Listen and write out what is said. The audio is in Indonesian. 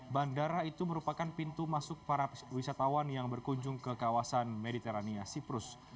bandara itu merupakan pintu masuk para wisatawan yang berkunjung ke kawasan mediterania siprus